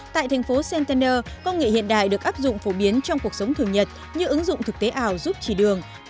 tại thành phố centerner công nghệ hiện đại được áp dụng phổ biến trong cuộc sống thường nhật như ứng dụng thực tế ảo giúp chỉ đường